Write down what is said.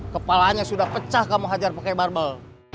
kepalanya sudah pecah kamu hajar pakai barbel